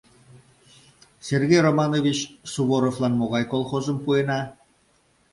— Сергей Романович Суворовлан могай колхозым пуэна?